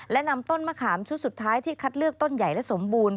และนำต้นมะขามชุดสุดท้ายที่คัดเลือกต้นใหญ่และสมบูรณ์